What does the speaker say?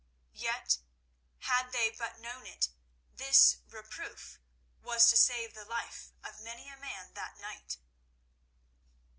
Yet, had they but known it, this "reproof" was to save the life of many a man that night.